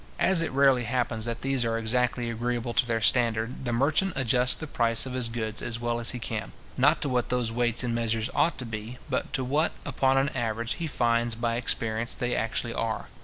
As it rarely happens that these are exactly agreeable to their standard, the merchant adjusts the price of his goods as well as he can, not to what those weights and measures ought to be, but to what, upon an average, he finds, by experience, they actually are.